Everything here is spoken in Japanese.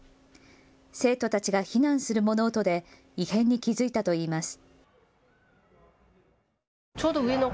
生徒たちが避難する物音で異変に気付いたといいます。